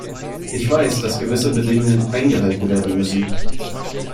Ich weiß, dass gewisse Bedingungen eingehalten werden müssen.